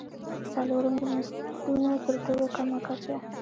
څلورم: د مزدونو تر ټولو کمه کچه.